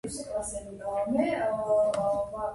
სვანეთი ორ ნაწილად იყოფა ზემო სვანეთი და ქვემო სვანეთი